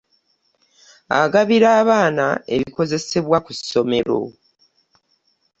Agabira abaana ebikozesebwa ku ssomero.